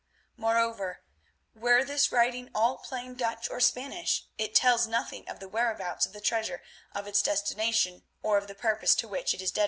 Moreover, were this writing all plain Dutch or Spanish, it tells nothing of the whereabouts of the treasure, of its destination, or of the purpose to which it is dedicate.